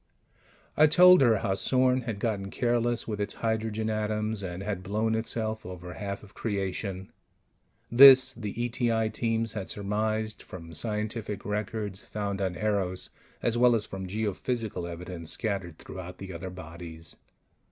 I told her how Sorn had gotten careless with its hydrogen atoms and had blown itself over half of creation. (This the E.T.I. Teams had surmised from scientific records found on Eros, as well as from geophysical evidence scattered throughout the other bodies.)